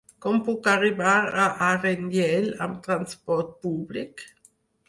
Com puc arribar a Aranyel amb transport públic?